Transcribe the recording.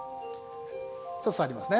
ちょっと触りますね。